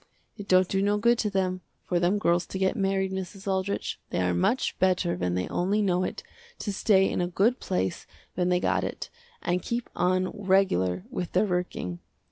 It don't do no good to them, for them girls to get married Mrs. Aldrich, they are much better when they only know it, to stay in a good place when they got it, and keep on regular with their working.